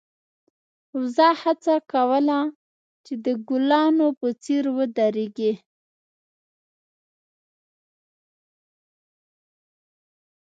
وزه هڅه کوله چې د ګلانو په څېر ودرېږي.